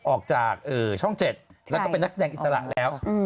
ออกจากช่อง๗แล้วก็เป็นนักแสดงอิสระแล้ว